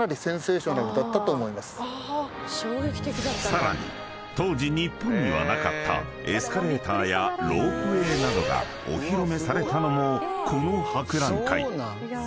［さらに当時日本にはなかったエスカレーターやロープウェイなどがお披露目されたのもこの博覧会］